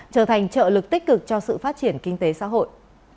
trở thành trợ lực tích cực cho sự phát triển kinh tế xã hội